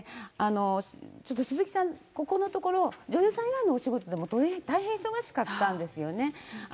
ちょっと鈴木さん、ここのところ、女優さん以外のお仕事でも大変忙しかったんですよね。